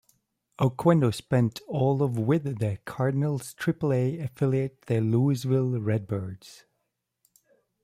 Oquendo spent all of with the Cardinals' triple A affiliate the Louisville Redbirds.